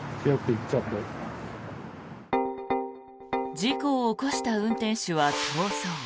事故を起こした運転手は逃走。